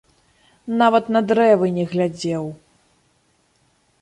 Нават на дрэвы не глядзеў.